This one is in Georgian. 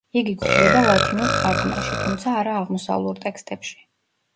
იგი გვხვდება ლათინურ თარგმანში, თუმცა არა აღმოსავლურ ტექსტებში.